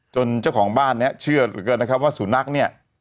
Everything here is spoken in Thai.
จนเจ้าของบ้านนะเชื่อก็เลยเกิดนะครับว่าสุนัขเนี่ย